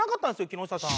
木下さん。